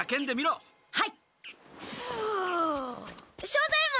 庄左ヱ門！